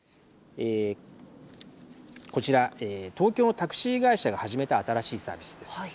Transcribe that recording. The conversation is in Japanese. こちら、東京のタクシー会社が始めた新しいサービスです。